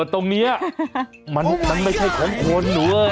ตรงเนี่ยมันนันไม่ใช่ของคน